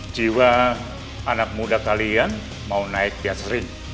jiwa anak muda kalian mau naik kata sering